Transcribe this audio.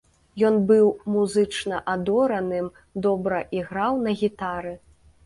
Ён быў музычна адораным, добра іграў на гітары.